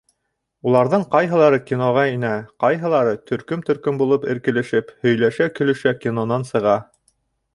Уларҙың ҡайһылары киноға инә, ҡайһылары, төркөм-төркөм булып эркелешеп, һөйләшә-көлөшә кинонан сыға.